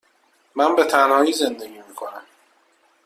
من به تنهایی زندگی می کنم.